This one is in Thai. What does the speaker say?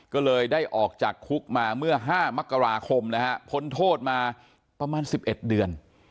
ก็เลยได้ออกจากคุกมาเมื่อ๕มกราคมนะฮะพ้นโทษมาประมาณ๑๑เดือน